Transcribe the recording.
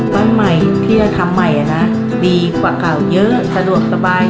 บ้านใหม่ที่จะทำใหม่นะดีกว่าเก่าเยอะสะดวกสบาย